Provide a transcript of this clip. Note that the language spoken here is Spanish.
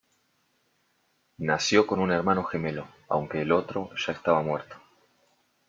Nació con un hermano gemelo, aunque el otro ya estaba muerto.